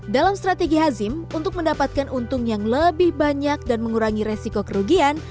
dalam strategi hazim untuk mendapatkan untung yang lebih banyak dan mengurangi resiko kerugian